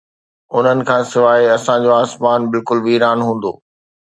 انهن کان سواءِ اسان جو آسمان بلڪل ويران هوندو